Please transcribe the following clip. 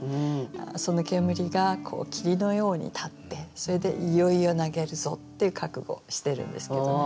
その煙が霧のように立ってそれでいよいよ投げるぞって覚悟をしてるんですけどね。